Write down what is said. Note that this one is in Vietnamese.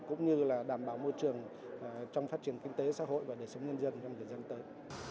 cũng như là đảm bảo môi trường trong phát triển kinh tế xã hội và đời sống nhân dân trong thời gian tới